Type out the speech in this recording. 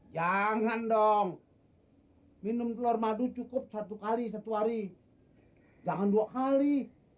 jangan dong minum telur madu cukup satu kali satu hari jangan dua kali